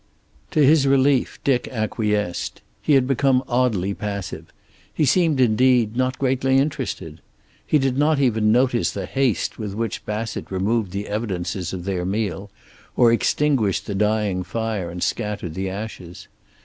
To his relief Dick acquiesced. He had become oddly passive; he seemed indeed not greatly interested. He did not even notice the haste with which Bassett removed the evidences of their meal, or extinguished the dying fire and scattered the ashes.